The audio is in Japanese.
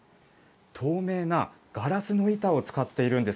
透明なガラスの板を使っているんです。